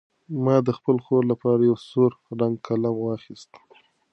ما د خپلې خور لپاره یو سور رنګه قلم واخیست.